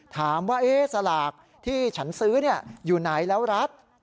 ถามว่าสลากที่ฉันซื้ออยู่ไหนแล้วรัฐ